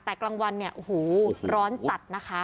แต่กลางวันเนี่ยโอ้โหร้อนจัดนะคะ